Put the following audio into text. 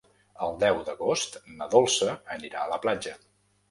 El deu d'agost na Dolça anirà a la platja.